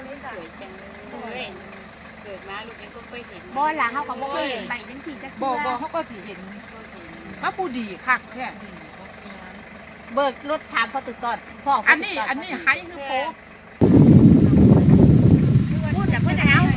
อาหารเสนอหลักมือเขามาเนื่องจากสงสัย